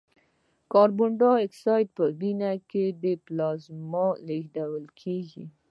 کاربن دای اکساید په وینه کې په پلازما کې لېږدول کېږي.